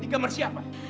di kamar siapa